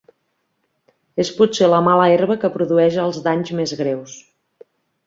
És potser la mala herba que produeix els danys més greus.